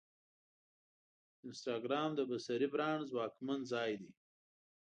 انسټاګرام د بصري برانډ ځواکمن ځای دی.